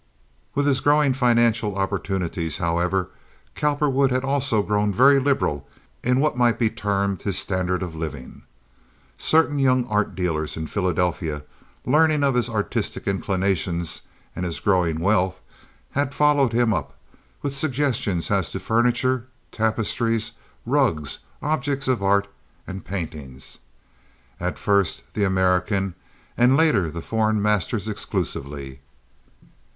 With his growing financial opportunities, however, Cowperwood had also grown very liberal in what might be termed his standard of living. Certain young art dealers in Philadelphia, learning of his artistic inclinations and his growing wealth, had followed him up with suggestions as to furniture, tapestries, rugs, objects of art, and paintings—at first the American and later the foreign masters exclusively.